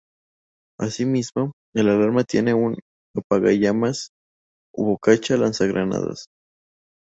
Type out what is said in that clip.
Asimismo, el arma tiene un apagallamas-bocacha lanzagranadas.